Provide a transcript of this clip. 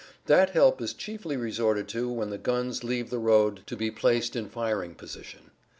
That help is chiefly resorted to when the guns leave the road to be placed in firing position.